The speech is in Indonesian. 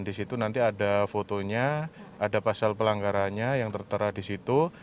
di situ nanti ada fotonya ada pasal pelanggarannya yang tertera di situ